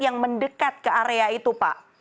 yang mendekat ke area itu pak